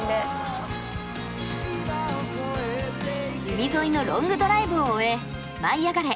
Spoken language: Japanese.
海沿いのロングドライブを終え「舞いあがれ！」